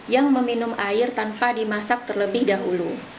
yang meminum air tanpa dimasak terlebih dahulu